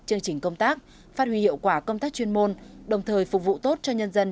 chương trình công tác phát huy hiệu quả công tác chuyên môn đồng thời phục vụ tốt cho nhân dân